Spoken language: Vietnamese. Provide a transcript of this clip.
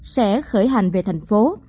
sẽ khởi hành về thành phố